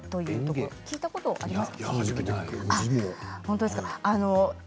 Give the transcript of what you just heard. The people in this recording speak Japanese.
聞いたことありますか？